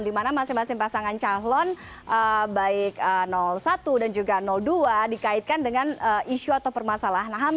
dimana masing masing pasangan calon baik satu dan juga dua dikaitkan dengan isu atau permasalahan ham